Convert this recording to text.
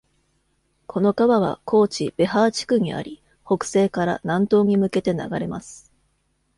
この川はコーチ・ベハー地区にあり、北西から南東に向けて流れます。